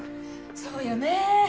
そうよね。